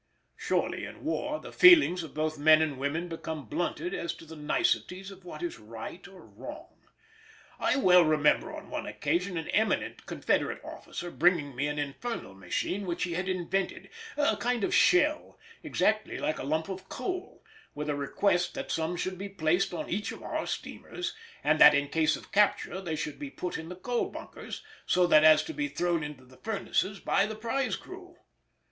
Surely in war the feelings of both men and women become blunted as to the niceties of what is right or wrong. I well remember on one occasion an eminent Confederate officer bringing me an infernal machine which he had invented, a kind of shell exactly like a lump of coal, with a request that some should be placed on each of our steamers, and that, in case of capture, they should be put in the coal bunkers so as to be thrown into the furnaces by the prize crew.